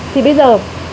thì bây giờ